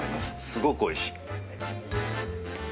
すごくおいしい。